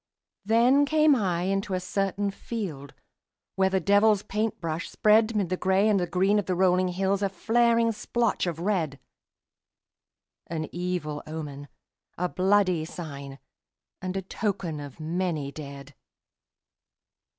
Then came I into a certain field Where the devil's paint brush spread 'Mid the gray and green of the rolling hills A flaring splotch of red, An evil omen, a bloody sign, And a token of many dead.